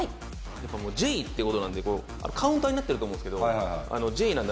やっぱＪって事なんでカウンターになってると思うんですけどＪなんで。